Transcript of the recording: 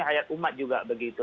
hayat umat juga begitu